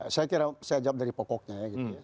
saya jawab dari pokoknya